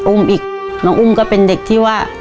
อีกน้องอุ้มก็เป็นเด็กที่ว่า